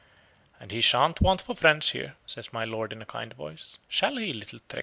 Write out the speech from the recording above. "And he shan't want for friends here," says my lord in a kind voice, "shall he, little Trix?"